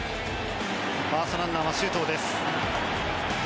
ファーストランナーは周東です。